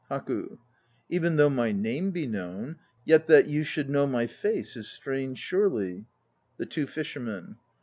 HAKU. Even though my name be known, yet that you should know my face is strange surely! THE TWO FISHERMEN.